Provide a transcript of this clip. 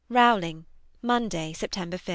ROWLING, Monday (September 5).